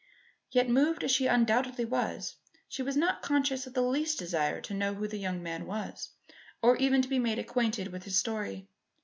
Yet moved as she undoubtedly was, she was not conscious of the least desire to know who the young man was, or even to be made acquainted with his story.